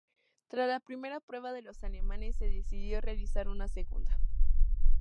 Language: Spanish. Tras la primera prueba de los alemanes se decidió realizar una segunda.